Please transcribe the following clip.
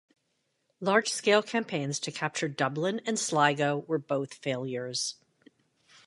Large-scale campaigns to capture Dublin and Sligo were both failures.